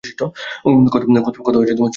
কথা ছড়িয়ে পড়েছে তাহলে?